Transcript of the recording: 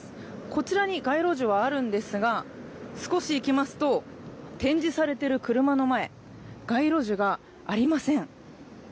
こちらに街路樹はあるんですが少し行きますと展示されている車の前街路樹がありません。